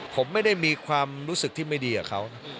ผมไม่ได้มีความรู้สึกที่ไม่ดีกับเขา